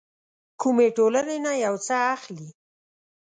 کومې ټولنې نه يو څه اخلي.